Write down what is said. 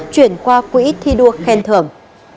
chuyển qua quỹ thi đua khen thưởng